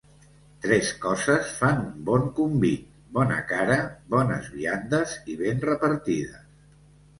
Tres coses fan un bon convit: bona cara, bones viandes i ben repartides.